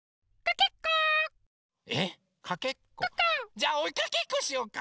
じゃあおいかけっこしようか！